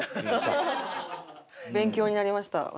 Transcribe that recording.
勉強になりました。